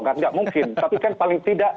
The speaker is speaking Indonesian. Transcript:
kan tidak mungkin tapi kan paling tidak